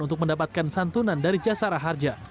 untuk mendapatkan santunan dari jasara harja